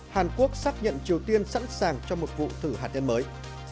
hàn quốc xác nhận triều tiên sẵn sàng cho một vụ thử hạt nhân mới